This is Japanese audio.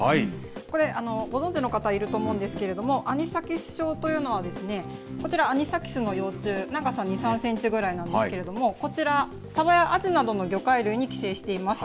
これ、ご存じの方いると思うんですけれども、アニサキス症というのは、こちら、アニサキスの幼虫、長さ２、３センチぐらいなんですけれども、こちら、サバやアジなどの魚介類に寄生しています。